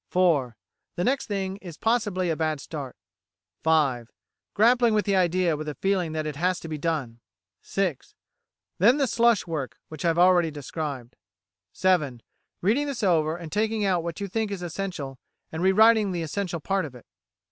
"(4) The next thing is possibly a bad start. "(5) Grappling with the idea with the feeling that it has to be done. "(6) Then the slush work, which I've already described. "(7) Reading this over, and taking out what you think is essential, and re writing the essential part of it.